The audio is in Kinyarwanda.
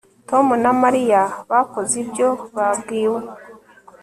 Tom na Mariya bakoze ibyo babwiwe